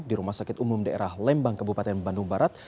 di rumah sakit umum daerah lembang kabupaten bandung barat